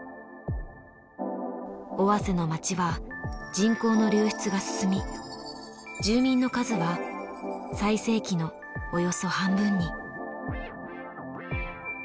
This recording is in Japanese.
尾鷲の町は人口の流出が進み住民の数は最盛期のおよそ半分に。